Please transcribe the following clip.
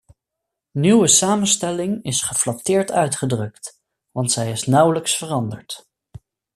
Nieuwe samenstelling is geflatteerd uitgedrukt, want zij is nauwelijks veranderd.